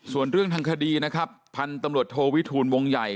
ส่วนเรื่องทางคดีนะครับพันธุ์ตำรวจโทวิทูลวงใหญ่